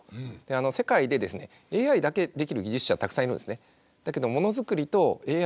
世界でですねＡＩだけできる技術者たくさんいるんですね。